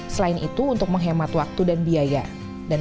selain itu untuk menghemat waktu dan biaya